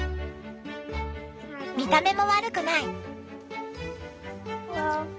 見た目も悪くない。